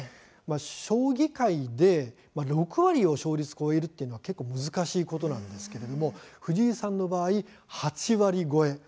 将棋界で６割勝率を超えるのは難しいことなんですけれども藤井さんの場合、８割超え。